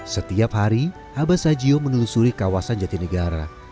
setiap hari abah sajio menelusuri kawasan jatinegara